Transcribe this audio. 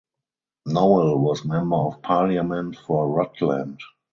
Noel was Member of Parliament for Rutland.